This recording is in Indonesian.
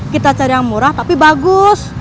kita cari yang murah tapi bagus